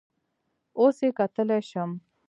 اوس یې کتلی شم؟